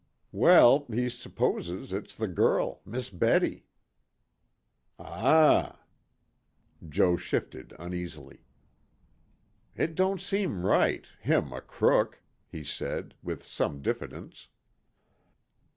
"Well, he s'poses it's the girl Miss Betty." "Ah!" Joe shifted uneasily. "It don't seem right him a crook," he said, with some diffidence.